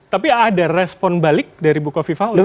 tapi ada respon balik dari bu kofi pak